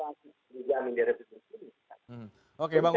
ini urusan negara pak rabu